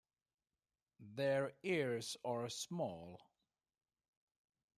Their ears are small.